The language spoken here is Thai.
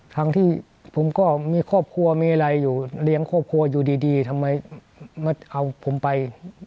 ทั้งที่ผมก็มีครอบครัวมีอะไรอยู่เลี้ยงครอบครัวอยู่ดีทำไมมาเอาผมไป